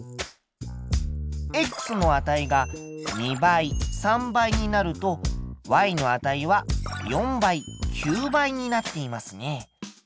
の値が２倍３倍になるとの値は４倍９倍になっていますね。